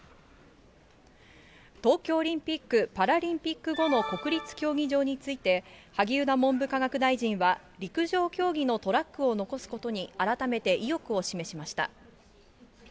東京オリンピック・パラリンピック後の国立競技場について、萩生田文部科学大臣は、陸上競技のトラックを残すことに、改めて意欲を示しました。